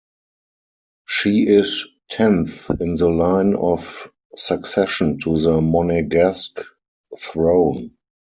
She is tenth in the line of succession to the Monegasque throne.